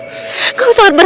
jangan sakiti dirimu sendiri